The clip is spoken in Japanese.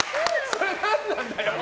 それ何なんだよ？